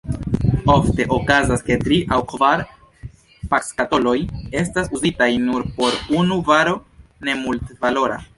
Ofte okazas, ke tri aŭ kvar pakskatoloj estas uzitaj nur por unu varo nemultvalora.